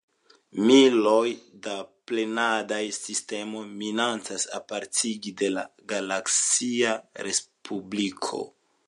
Miloj da planedaj sistemoj minacas apartigi de la galaksia respubliko.